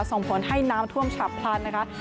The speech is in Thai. ส่งผลให้น้ำท่วมฉับพลันนะคะ